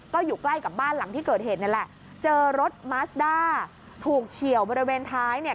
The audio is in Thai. ก็อยู่ใกล้กับบ้านหลังที่เกิดเหตุนี่แหละเจอรถมัสด้าถูกเฉียวบริเวณท้ายเนี่ย